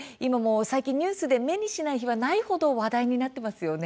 最近、ニュースで目にしない日はない程話題になっていますよね。